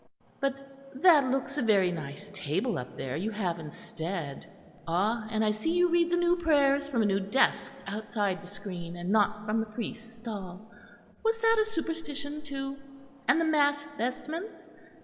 But that looks a very nice table up there you have instead. Ah! And I see you read the new prayers from a new desk outside the screen, and not from the priest's stall. Was that a superstition too? And the mass vestments?